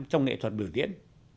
trong nghệ thuật biểu diễn